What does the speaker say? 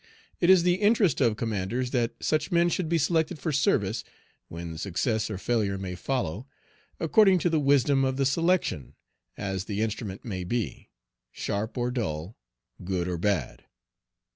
It is the interest of commanders that such men should be selected for service, when success or failure may follow, according to the wisdom of the selection, as the instrument may be sharp or dull, good or bad.